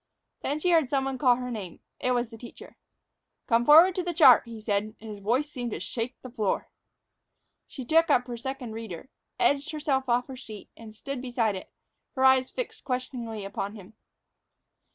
Then she heard some one call her name. It was the teacher. "Come forward to the chart," he said, and his voice seemed to shake the very floor. She took up her Second Reader, edged herself off her seat, and stood beside it, her eyes fixed questioningly upon him.